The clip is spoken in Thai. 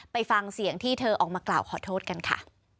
ไปฟังเสียงที่เธอออกมากล่าวขอโทษกันค่ะ